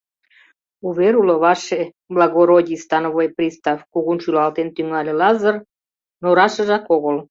Увер уло, ваше благородий становой пристав, — кугун шӱлалтен тӱҥале Лазыр, — но рашыжак огыл.